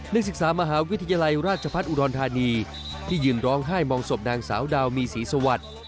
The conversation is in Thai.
นักศึกษามหาวิทยาลัยราชพัฒน์อุดรธานีที่ยืนร้องไห้มองศพนางสาวดาวมีศรีสวัสดิ์